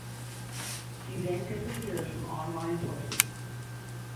She then disappears from online sources.